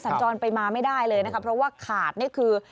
สัญจรไปมาไม่ได้เลยนะคะเพราะว่าขาดนี่คือ